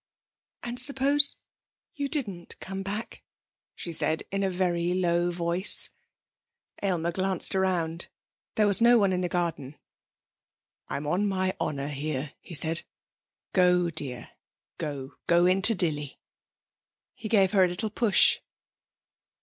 'And suppose you didn't come back,' she said in a very low voice. Aylmer glanced round: there was no one in the garden. 'I'm on my honour here,' he said. 'Go, dear, go. Go in to Dilly.' He gave her a little push.